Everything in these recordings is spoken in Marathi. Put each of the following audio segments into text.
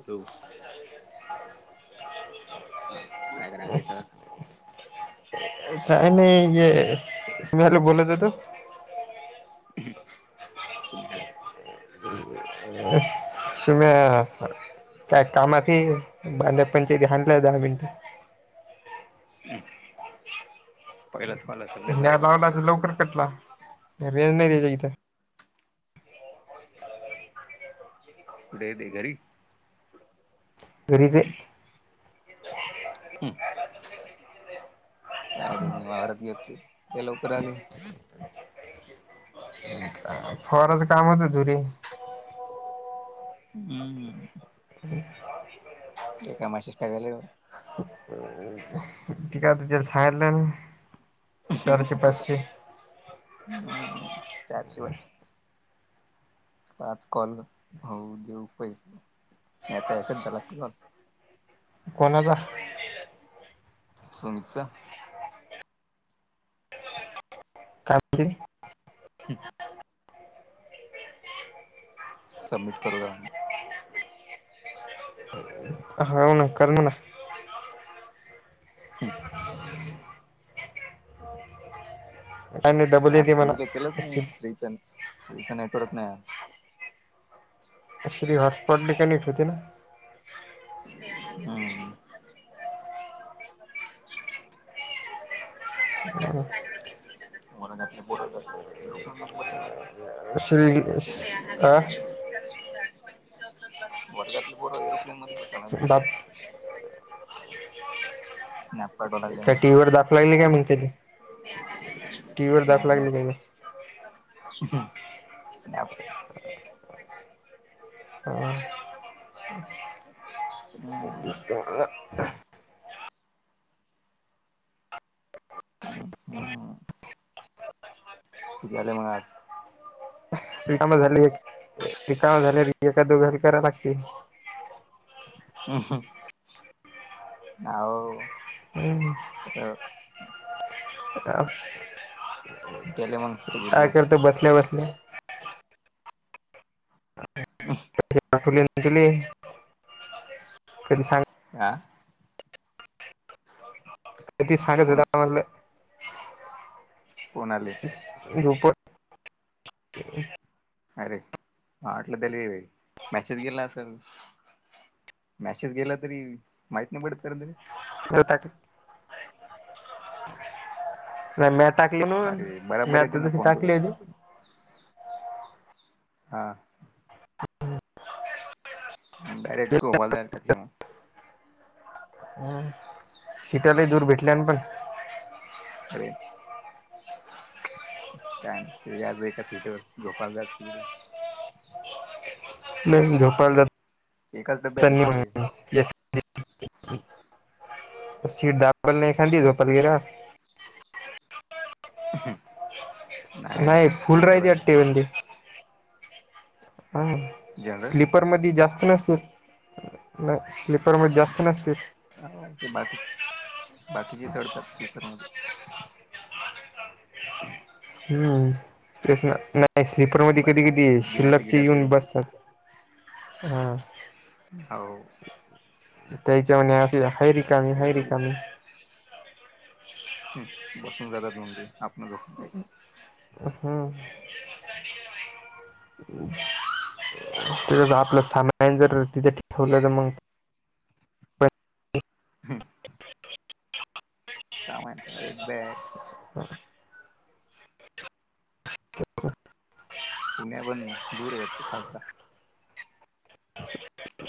हॅलो! हा काय करायलीस काही नाही ये [inaudible] बोलत होतो सुमेला म्ह [unintelligible] समे काय कामाात बांध पणचे घ आणलं दहा मिनिटं हम् पहिलाच कॉल असेल त्याचा लावला तर लवकर कटला रेंज नाही त्याच्या इिथे कुठे ते घरी घरीचेे काय तुम्ही वावरात येतं इतक्या लवकर आले फारचं काम होत आधुरी हम्म हं एका माशि [inaudible] ष्ट टाकाले ह. ते काय झालं सांगलं चारशे पाचशे हम्म चारशे पाचशे पाच कॉल होऊ दे पाहिले याचा एकच झाला कॉल कोणाचा. सुमितचं काय म्हणत [inaudible] क [inaudible] समिट करू का. [inaudible] हावन कर ना हम्म, आणि डब आज स्त्रीला केलंच नाही स्त्रीचं स्त्रीचं नेटवर्क नाही आज. श्री हॉट पॉट मेकॅनिकल होती ना. हा. ला घ पोर रुना बसायला श्री [unintelligible] अ बवीज श [inaudible] वर्गातले बर एरोप्लेन मध्ये बाप बसलंयत [inaudible] का टी व्ही व दाखव येईना म्हनं तेले नाव नाय काय ते [inaudible] हम्म, जसं अ हं हं ते गेल्याआज रिकामे झाली काम झाली एका धरी करा लागते आव हम्म तसं अ. [inaudible] गेले मगं काय करतं बसल्या बसल्या अ [unintelligible] कधी सांग आ [inaudible] किती साडे [unintelligible] वाजलं. कोणाले? रूपर - - [unintelligible] अरे! मला वाटला तेले मेसेज गेला असल. मॅसेज गेला तरी माहित नाही पडत त्याले? होता तो [inaudible] नाही म्या टाकली म्हणुन अरे बराबर म्या येते आता ना तसं फोन पे टाकली यानी. हा. डायरेक्ट [unintelligible] मग हम्म. सिटा लई दूर भेटल्यान पण. अरे! काय मतेज्या असं एका सीट वर झोपा जा अस तिकडे. नाही. मी झोपायला जात एकाच डब्यात आहेत त्यांनी सगळे [unintelligible] [unintelligible] सीट दा [unintelligible] पणनाही खाली झोपायला गेल्यावर नाही. फुल कस काय राहिते दाबा अट्टी बंदी. ह. स्लीप - - जनरल स्लीपरमध्ये जास्त नसतो. नाही. स्लीपरमध्ये जास्त नसतील. हा. ओके बाकी. बाकीचे चढतात स्लीपर मध्ये. हम्म. तेच ना, नाही. स्लीपर मध्ये कधी कधी बाकी बिना शिल्लकचे तिकिटाचे येऊन बसतात. हां. हाओ. त्याच्यामध्ये [unintelligible] हैरिकामी ते हैरिकामी हम्म बसून जातात म्हंली आपण झोपाय अ हं [unintelligible] [inaudible] [unintelligible] तेच आपलं सामान जर तिथं ठेवलं तर मं [unintelligible] सामान काय एक बॅग. [unintelligible] [unintelligible] पुण्यावंन दूर हाय वाटतं खालचा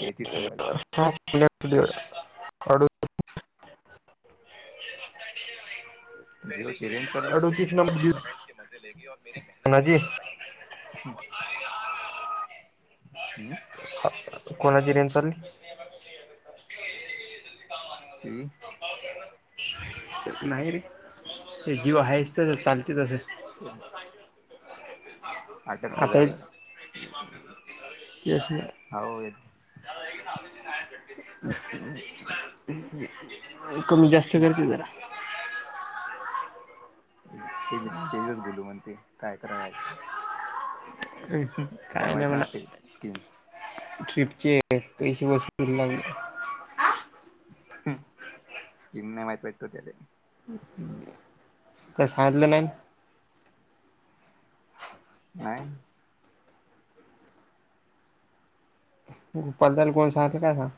तेहतीस नंबर त्याचा. [unintelligible] [unintelligible] [unintelligible] अडोतीस नंबर दिवस कोणाची [inaudible] हं. कोणाची रेन चाली? ते - - [unintelligible] नाही रे, ते जीव आहेस चालतय तसं. [unintelligible] अटक आता केल्याल. तेच ना अवो येत. [inaudible] कमी जास्त करते जरा. [unintelligible] बोलू म्हणते काय करायला ते? काय नाय माहित नाही म्हणा. वाटते स्कीम ट्रिपचे पैसे वसुल [unintelligible] लागले. हूं. स्किम नाई माहित वाटतं त्याला. काय झाडणं नाही [unintelligible] नाही. [unintelligible] कोण सांगत त्यांना?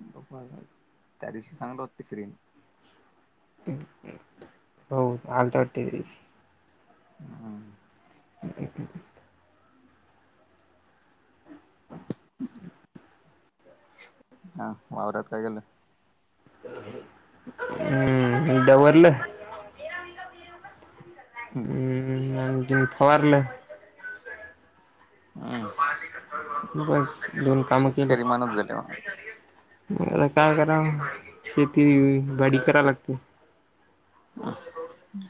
[unintelligible] त्या दिवशी सांगलं होती तिसरी. हो [unintelligible] हम्म. ठीकय ठीकय. [inaudible] हा वावरात काय केलं? हम्म डवरलं. हम्म आणखीन फवारलं. हम्म. बस दोन कामं केली. शेतकरी माणूस झाले म मग आता काय करावं? शेती [unintelligible] करा लागते.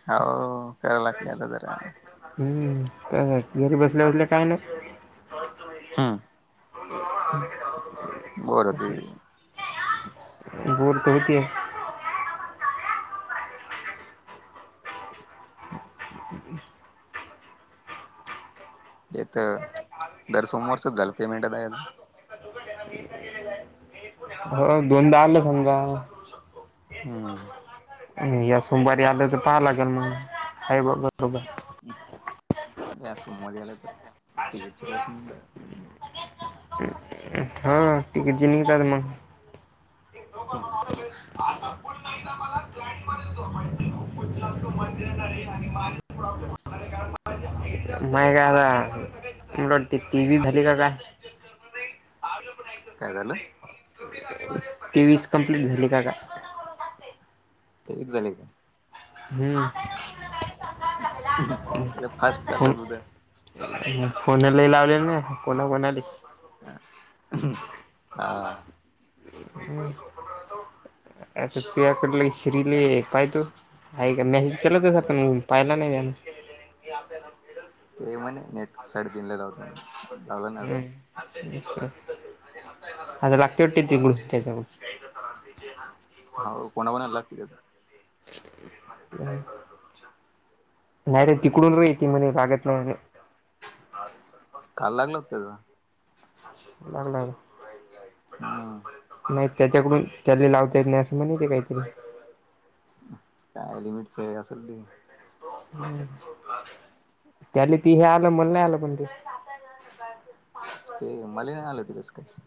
हो करा लागते आता जरा. हम्म, काय हाय? घरी बसल्या बसल्या काय नाही. हम्म. [unintelligible] बोर होते. बोर तर होते. ते तर, दर सोमवरचच झालं पेमेंट [unintelligible] हो दोनदा आलं समजा हम्म. नाही या सोमवारी आलं तर पहा लागेल मला आहे बघ तोवर या सोमवारी आल तर तीकडच्या प्रश्न [unintelligible] हां. हा तिघेजण येणार मग. हं. [unintelligible] पण नाही मला गाणी म ज [unintelligible] माय काय आता मला तेवीस झाली का काय? काय झालं? तेवीस कंप्लीट झाली का काय? तेवीस झाले का? हम. फास्ट चाललत उद्या. फोन लय लावले ना कोणा कोणाले? हां. आता तू याकडला श्रीले पाहितो हाय का मेसेज केला तस आपण पाहिला नाही त्यान आपल्याला ते म्हणे नेट साईड दिनलेला होतो जाला ना अजून हम्म आता बाकी वाटते त गुड त्याचा गत [unintelligible] हो कोणा कोणाला लागते त्यात नाही. नाहीरे तिकडून रे ते मला लागत काल लागलं होत ना. लाग लागल हां. नाही त्याच्याकडून त्याला लावता येत नाही असं म्हणिते काहीतरी काय लिमिटस आहे असल ते त्याल ती हे आलं मला नाही आलं पण ते ते मला नाही आलं तिलाच काही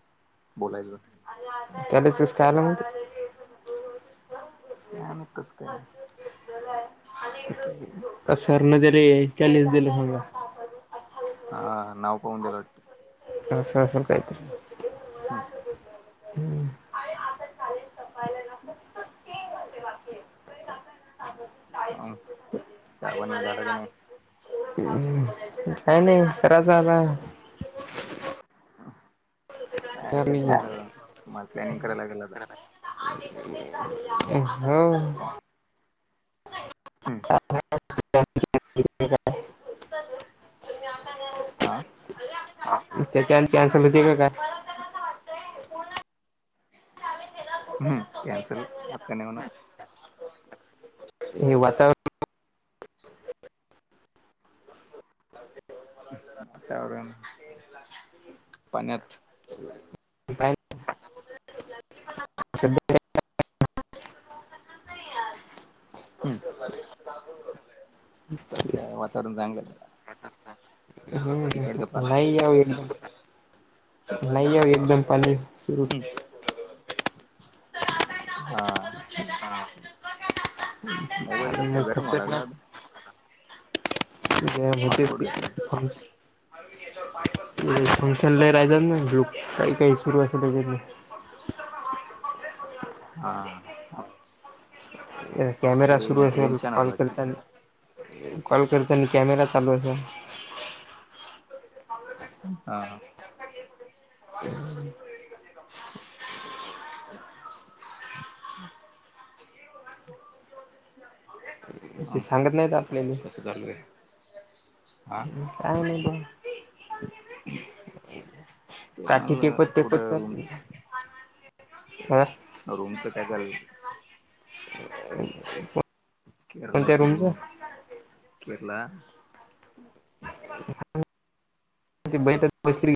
बोलायचं [unintelligible] कम्ही कस का? का सर ने त्याले चॅलेंज दिलं म्हणून. हा नाव पाऊडेेल वाट ह स सल कायतरी हा हम्म ह त्या प झालं की नाही काय नाही खरा झा आला ह तेच म्हटलं तुम्हाला प्लॅनिंग करायला लागेलं अता- हम्. हा [unintelligible] आा त्याच्यांत कॅन्सल होती काय? हम्म कॅन्सल आत्या नाही म्हणा हे वातावरण वातावरण, पाण्यात [unintelligible] सध्या हम्म च त्या वातावरण चांगलं झा तिकडे जपाय लागत नवीन नाही आहे. एकदम खाली हम् हा. [unintelligible] मोबाईल आणि कसं काय मग गरम व्हाला लागला आता खतरनाक होतीच हॉटस्पॉट ती घेतलं कौशल्य राहिलेलं नाही काही काही सुरू असत तिकडं- हा. कॅमेरा ते सुरू असेल रेंजच्या नव्हती कॉल वाटते करताना. कॉल करतानी कॅमेरा चालू आहे का? हा हा. [inaudible] ते हा सांगत नाहीत आपल्याले. कसं चालू आहे. हा. काय नाही ब. [inaudible] तेच काठी म्हणलं टेपत कुठं टेपत आहे रूम. ह रूमचं काय झालं? कोणत्या केरलाचे रूमचं रूम, केरला [inaudible] बै फारी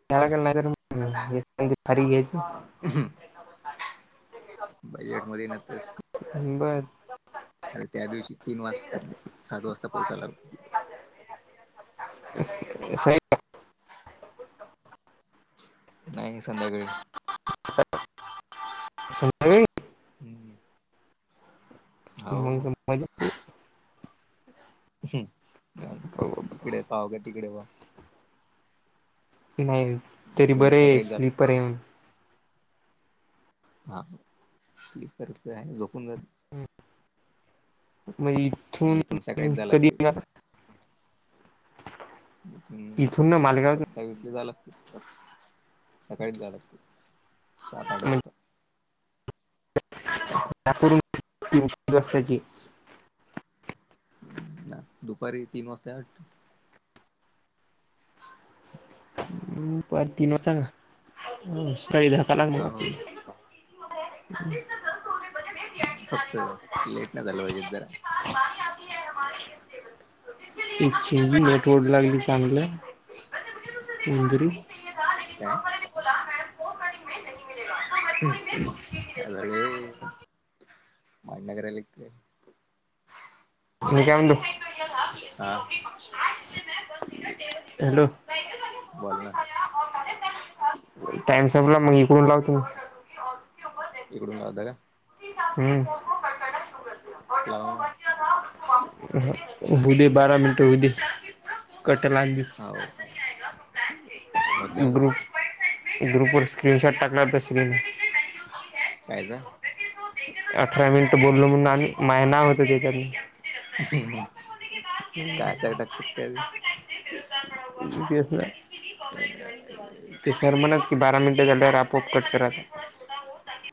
घ्यायची. अहं. बजेट मध्ये न तेच अंबद अर त्या दिवशी तीन वाजता नाही सात वाजता पोचायला स [unintelligible] नाही संध्याकाळी ह सगळी हम्म हो मग मज्जाच आहे. येते इकडे पहावं का तिकडे पहावं. नाही, तरी इथून बरं आहे, सकाळी जा स्लीपर ए. हा, स्लीपरच आहे झोपून जाते म इथून सकाळीच जाय कधी? लागते इथून ना मालगाव स वीसला जाव लागते सकाळीच जाय लागते सात आठ वाजता ल्याची दुपारी तीन वाजता वाट पर तन वाां सळी धका लागणार हो बा ग हा फक्त लेट नाही झाचालूहिजे इदर इच्छिी नटवड लागली चांगलं मुंदरी काय आले माय नगर एक हे का म्हध हा हॅलो बोल ना टाइम संपला मग इकडून लावतेो मी इकडून लावता का हम्म लावून भोली बारा मिनटे होदी कट लागली हो होते आता ग्रुप ग्रुपर स्क्रीनशॉट टाकणार त्या स्न कायच अठरा मिनिट बोललो म्हणून महिना होत त्याच्या ह् कायसा टाकत करी [unintelligible] ते सर म्हणत की बारा मिनिटं झाल्यावर आपआप कट करायचा